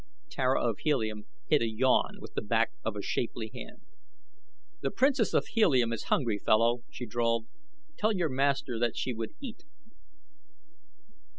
Tara of Helium hid a yawn with the back of a shapely hand. "The Princess of Helium is hungry, fellow," she drawled; "tell your master that she would eat."